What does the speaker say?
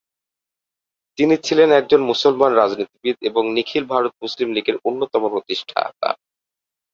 তিনি ছিলেন একজন মুসলমান রাজনীতিবিদ এবং নিখিল ভারত মুসলিম লীগের অন্যতম প্রতিষ্ঠাতা।